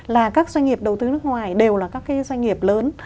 là các doanh nghiệp đầu tư nước ngoài đều là các cái doanh nghiệp lớn